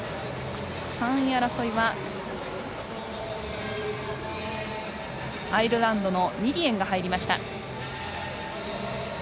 ３位争いはアイルランドのニリエンが入りました。